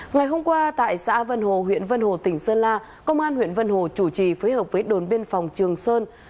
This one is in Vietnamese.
ngày hôm qua tại xã vân hồ huyện vân hồ tỉnh sơn la công an huyện vân hồ chủ trì phối hợp với đồn biên phòng trường sơn